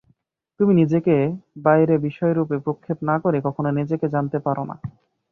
তুমি নিজেকে বাইরে বিষয়রূপে প্রক্ষেপ না করে কখনও নিজেকে জানতে পার না।